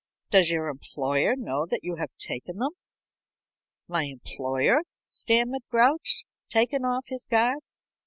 Does your employer know that you have taken them?" "My employer?" stammered Grouch, taken off his guard.